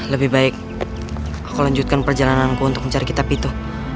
lebih baik aku lanjutkan perjalananku untuk mencari kitab itu